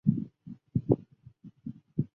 雷神索尔手持雷神之锤对上耶梦加得。